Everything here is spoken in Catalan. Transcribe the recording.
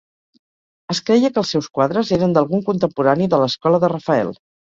Es creia que els seus quadres eren d'algun contemporani de l'escola de Rafael.